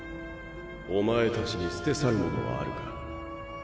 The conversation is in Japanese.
おまえ達に捨て去るものはあるか？